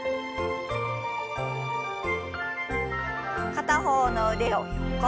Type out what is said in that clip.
片方の腕を横。